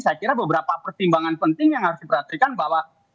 saya kira beberapa pertimbangan penting yang harus diperhatikan bahwa